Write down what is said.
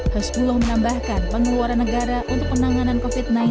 hasbullah menambahkan pengeluaran negara untuk penanganan covid sembilan belas